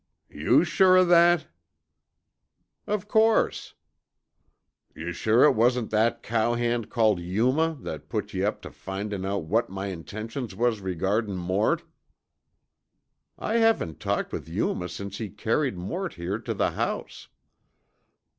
"You sure of that?" "Of course." "Yuh sure it wasn't that cowhand called Yuma that put yuh up tuh findin' out what my intentions was regardin' Mort?" "I haven't talked with Yuma since he carried Mort here to the house."